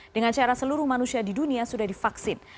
dengan cara seluruh manusia di dunia sudah divaksin